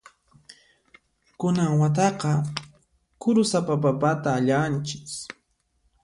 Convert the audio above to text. Kunan wataqa kurusapa papata allanchis.